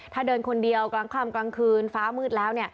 ถ้าเดินคนเดียวกลางค่ำกลางคืนฟ้ามืดแล้ว